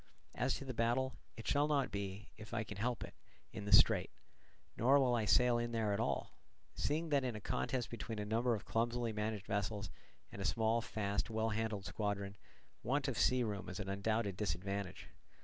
As to the battle, it shall not be, if I can help it, in the strait, nor will I sail in there at all; seeing that in a contest between a number of clumsily managed vessels and a small, fast, well handled squadron, want of sea room is an undoubted disadvantage.